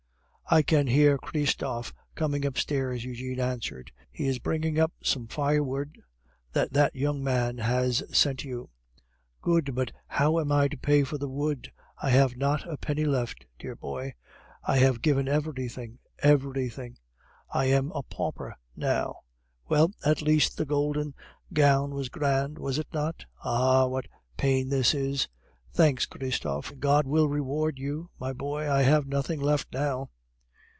"I can hear Christophe coming upstairs," Eugene answered. "He is bringing up some firewood that that young man has sent you." "Good, but how am I to pay for the wood. I have not a penny left, dear boy. I have given everything, everything. I am a pauper now. Well, at least the golden gown was grand, was it not? (Ah! what pain this is!) Thanks, Christophe! God will reward you, my boy; I have nothing left now."